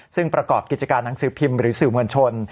ซึ่งประกอบกิจการหนังสือพิมพ์หรือสื่อมวลชน